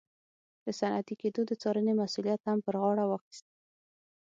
د صنعتي کېدو د څارنې مسوولیت هم پر غاړه واخیست.